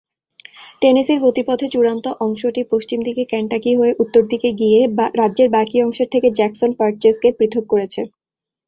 টেনেসির গতিপথে চূড়ান্ত অংশটি পশ্চিম দিকে কেন্টাকি হয়ে উত্তর দিকে গিয়ে রাজ্যের বাকি অংশের থেকে জ্যাকসন পারচেজ-কে পৃথক করেছে।